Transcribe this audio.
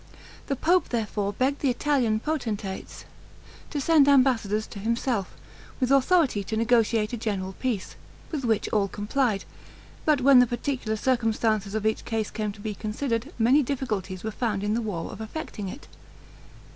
The pope therefore begged the Italian potentates to send ambassadors to himself, with authority to negotiate a general peace, with which all complied; but when the particular circumstances of each case came to be considered, many difficulties were found in the war of effecting it.